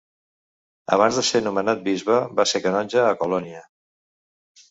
Abans d'ésser nomenat bisbe, va ser canonge a Colònia.